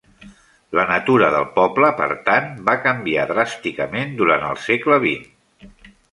La natura del poble, per tant, va canviar dràsticament durant el segle vint.